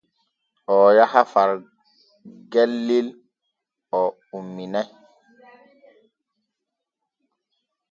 Oo yaha fay gellel o umminay.